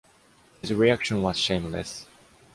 His reaction was shameless.